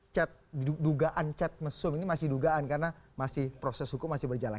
chat dugaan chat mesum ini masih dugaan karena masih proses hukum masih berjalan